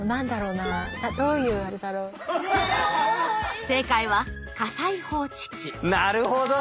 なるほど！